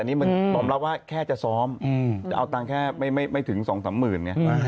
นี่มันตอบแล้วว่าแค่จะซ้อมเอาตังค์แค่ไม่ถึง๒๓หมื่น